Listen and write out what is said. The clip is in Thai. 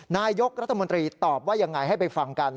นายกรัฐมนตรีตอบว่ายังไงให้ไปฟังกัน